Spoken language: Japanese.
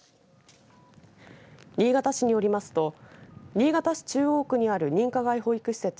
新潟市によりますと新潟市中央区にある認可外保育施設